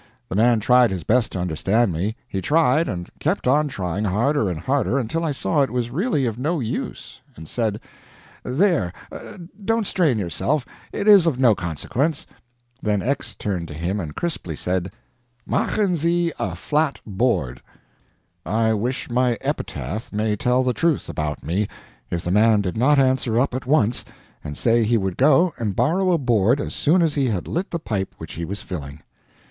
The man tried his best to understand me; he tried, and kept on trying, harder and harder, until I saw it was really of no use, and said: "There, don't strain yourself it is of no consequence." Then X turned to him and crisply said: "MACHEN SIE a flat board." I wish my epitaph may tell the truth about me if the man did not answer up at once, and say he would go and borrow a board as soon as he had lit the pipe which he was filling.